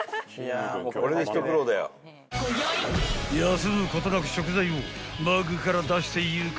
［休むことなく食材をバッグから出していく］